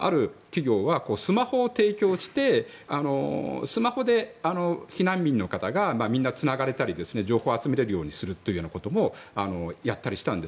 例えば、ある企業はスマホを提供してスマホで避難民の方がみんなつながれたり情報を集められるようにすることもやったりしたんです。